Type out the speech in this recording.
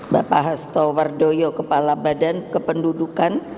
bapak hasto wardoyo kepala badan kependudukan